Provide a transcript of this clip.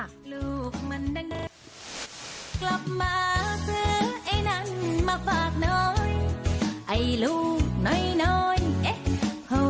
ต้องเสียงป้ายได้นะคะ